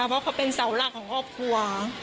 เพราะเขาเป็นเสาหลักของครอบครัว